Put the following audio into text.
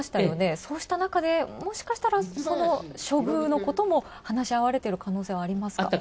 そうした中で、もしかしたら処遇のことも話し合われてる可能性はありますか？